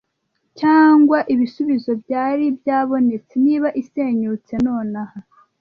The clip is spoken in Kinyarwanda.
Cyangwa ibisubizo byari byabonetse. Niba isenyutse nonaha